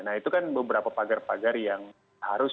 nah itu kan beberapa pagar pagar yang harus